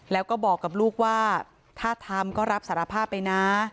แล้วก็บอกกับลูกว่าถ้าทำก็รับสารภาพไปนะ